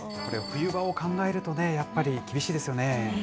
冬場を考えるとね、やっぱり厳しいですよね。